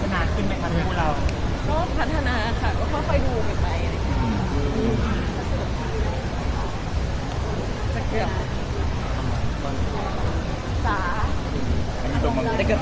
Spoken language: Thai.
ประมาณปีแล้วใช่ไหมครับ